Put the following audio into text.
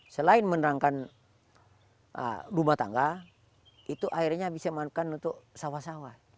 selain menerangkan rumah tangga itu airnya bisa makan untuk sawah sawah